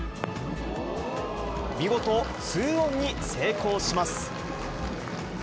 見事、ツーオンに成功します。